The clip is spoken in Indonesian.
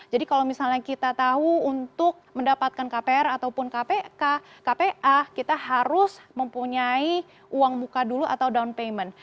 jadi kalau misalnya kita tahu untuk mendapatkan kpr ataupun kpa kita harus mempunyai uang muka dulu atau down payment